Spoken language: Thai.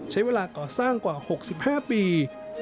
ใช้เวลาก่อสร้างกว่า๖๕ปี